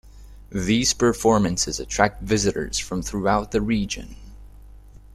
These performances attract visitors from throughout the region.